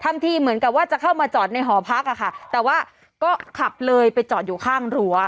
ทีเหมือนกับว่าจะเข้ามาจอดในหอพักอะค่ะแต่ว่าก็ขับเลยไปจอดอยู่ข้างรั้ว